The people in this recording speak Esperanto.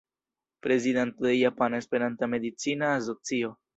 Prezidanto de Japana Esperanta Medicina Asocio.